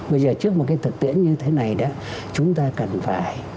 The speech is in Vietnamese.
bây giờ trước một cái thực tiễn như thế này đó chúng ta cần phải